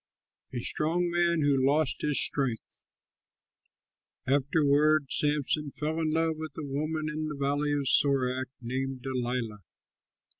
A STRONG MAN WHO LOST HIS STRENGTH Afterward, Samson fell in love with a woman in the valley of Sorek, named Delilah.